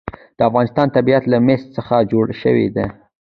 د افغانستان طبیعت له مس څخه جوړ شوی دی.